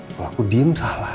kalau aku diem salah